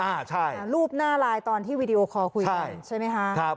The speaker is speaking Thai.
อ่าใช่รูปหน้าไลน์ตอนที่วีดีโอคอลคุยกันใช่ไหมคะครับ